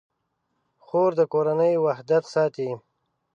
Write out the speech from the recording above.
خور د کورنۍ وحدت ساتي.